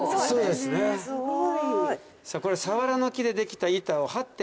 すごい。